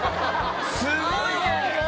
すごいね！